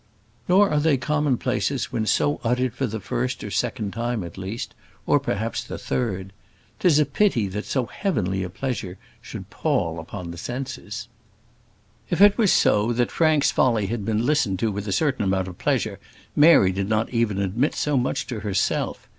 Nor are they commonplaces when so uttered for the first or second time at least, or perhaps the third. 'Tis a pity that so heavenly a pleasure should pall upon the senses. If it was so that Frank's folly had been listened to with a certain amount of pleasure, Mary did not even admit so much to herself.